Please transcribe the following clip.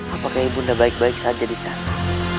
apakah ibu ndaku baik baik saja disana